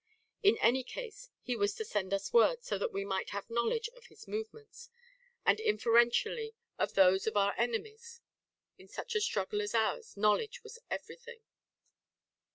In any case he was to send us word, so that we might have knowledge of his movements, and inferentially of those of our enemies. In such a struggle as ours, knowledge was everything.